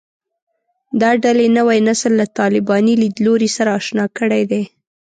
دا ډلې نوی نسل له طالباني لیدلوري سره اشنا کړی دی